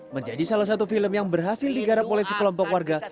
menjadi salah satu film yang berhasil digarap oleh sekelompok warga